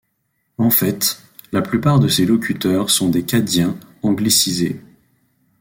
En fait, la plupart de ses locuteurs sont des cadiens anglicisés.